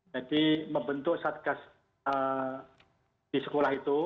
jadi membentuk satgas di sekolah itu